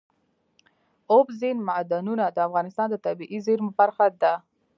اوبزین معدنونه د افغانستان د طبیعي زیرمو برخه ده.